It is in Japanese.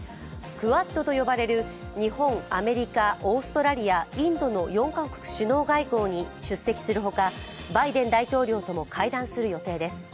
クアッドと呼ばれる日本、アメリカオーストラリア、インドの４カ国首脳会合に出席するほかバイデン大統領とも会談する予定です。